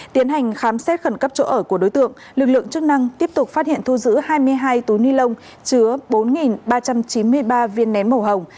tiến hành khám xét khẩn cấp chỗ ở của đối tượng lực lượng chức năng tiếp tục phát hiện thu giữ hai mươi hai túi ni lông chứa bốn ba trăm chín mươi ba viên nén màu hồng